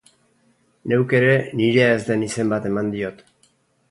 Neuk ere nirea ez den izen bat eman diot.